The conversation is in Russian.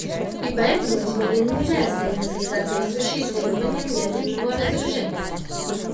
И поэтому эти меры нельзя расценивать как соответствующие требованиям ядерного разоружения.